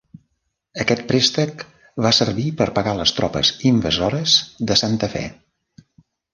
Aquest préstec va servir per pagar les tropes invasores, de Santa Fe.